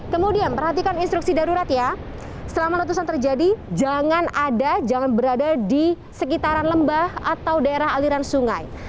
kemudian perhatikan instruksi darurat ya selama letusan terjadi jangan ada jangan berada di sekitaran lembah atau daerah aliran sungai